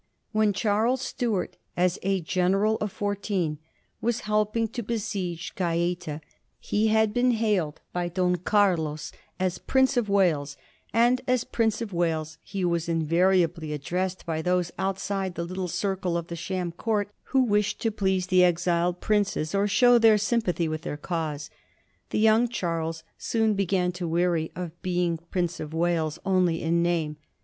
203 When Charles Stuart, as a general of fourteen, was help ing to besiege Gaeta, he had been hailed by Don Carlos as Prince of Wales, and as Prince of Wales he was inva riably addressed by those outside the little circle of the sham court who wished to please the exiled princes or show their sympathy with their cause. The young Charles soon began to weary of being Prince of Wales only in name.